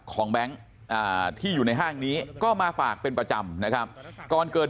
แบงค์ที่อยู่ในห้างนี้ก็มาฝากเป็นประจำนะครับก่อนเกิด